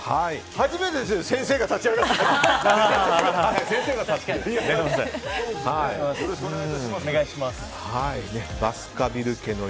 初めてですね先生が立ち上がるの。